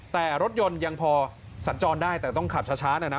แต่รถยนต์ยังพอสัญจรได้แต่ต้องขับช้านะนะ